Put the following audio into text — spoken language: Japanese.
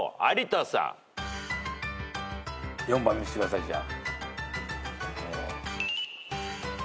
４番見してくださいじゃあ。